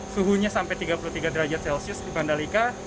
suhunya sampai tiga puluh tiga derajat celcius di mandalika